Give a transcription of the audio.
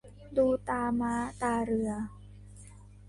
ดูตาม้าตาเรือ